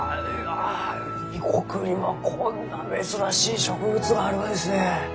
異国にはこんな珍しい植物があるがですね。